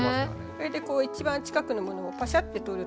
それでこう一番近くのものをパシャッて撮ると。